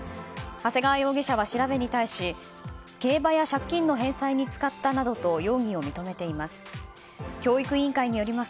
長谷川容疑者は調べに対し競馬や借金などの返済に使ったなどと容疑を認めています。